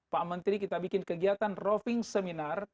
pak menteri kita bikin kegiatan roving seminar